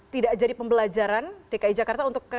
tidak jadi pembelajaran dki jakarta untuk